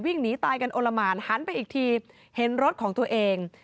หนีตายกันโอละหมานหันไปอีกทีเห็นรถของตัวเอง